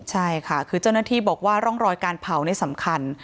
ใช่ค่ะคือเจ้าหน้าที่บอกว่าร่องรอยการเผานี่สำคัญ